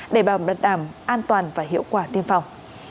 để bảo đảm an toàn và hiệu quả tiêm phòng